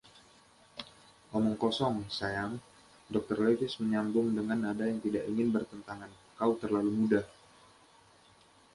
"Omong kosong, sayang," Dr. Leavis menyambung dengan nada yang tidak ingin bertentangan; "Kau terlalu muda!